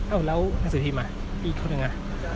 อ้าวแล้วนักสือทีมอ่ะอีกคนหนึ่งอ่ะ